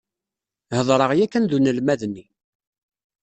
Hedreɣ yakan d unelmad-nni.